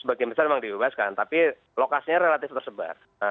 sebagian besar memang dibebaskan tapi lokasinya relatif tersebar